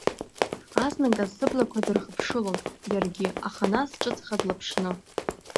Азныказ сыблақәа дырхыԥшылон иаргьы, аха нас ҿыцха длаԥшны…